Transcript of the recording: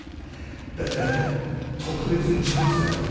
だったら特別にチャンスやるよ。